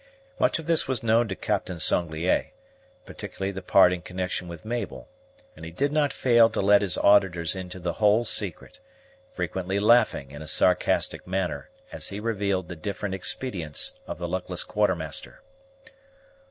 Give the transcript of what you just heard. Much of this was known to Captain Sanglier, particularly the part in connection with Mabel, and he did not fail to let his auditors into the whole secret, frequently laughing in a sarcastic manner, as he revealed the different expedients of the luckless Quartermaster.